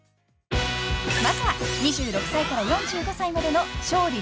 ［まずは２６歳から４５歳までの勝利・藤森世代］